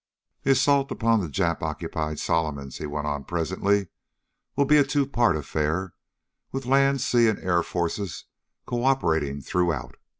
"The assault upon the Jap occupied Solomons," he went on presently, "will be a two part affair with land, sea, and air forces cooperating throughout.